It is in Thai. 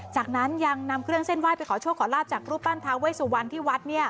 จากนั้นยังนำเครื่องเส้นไห้ไปขอโชคขอลาบจากรูปปั้นทาเวสุวรรณที่วัด